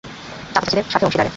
চাচা-চাচীদের সাথে অংশীদারে।